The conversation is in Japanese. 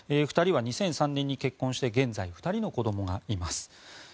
２人は２００３年に結婚して現在、２人の子どもがいます。